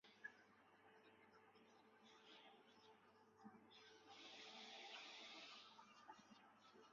北非古城沃吕比利斯就是以洋夹竹桃的旧拉丁文名而取名的。